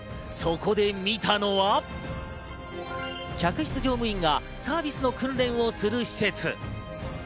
そこで見たのは客室乗務員がサービスの訓練をする施設。